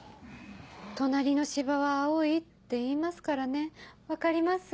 隣の芝は青いっていいますからね分かります。